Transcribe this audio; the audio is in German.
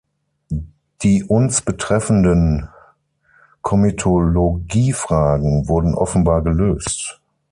Die uns betreffenden Komitologiefragen wurden offenbar gelöst.